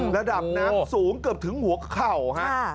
ระดับน้ำสูงเกือบถึงหัวเข่าฮะ